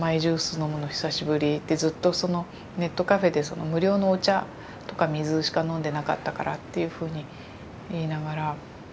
ずっとそのネットカフェで無料のお茶とか水しか飲んでなかったからっていうふうに言いながら。